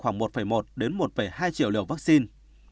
khoảng một một đến một hai triệu liều vaccine